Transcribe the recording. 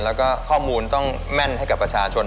แล้วก็ข้อมูลต้องแม่นให้กับประชาชน